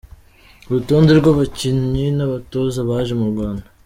Urutonde rw’abakinnyi n’abatoza baje mu Rwanda .